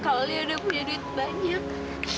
kalau lia udah punya duit banyak